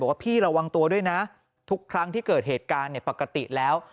ว่าพี่ระวังตัวด้วยนะทุกครั้งที่เกิดเหตุการณ์ปกติแล้ว